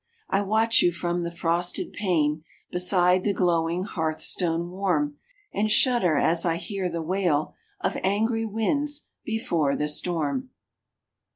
I watch you from the frosted pane Beside the glowing hearth stone warm, And shudder as I hear the wail Of angry winds before the storm.